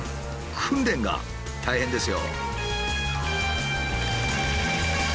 訓練が大変ですよ。